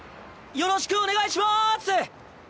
よろしくお願いします！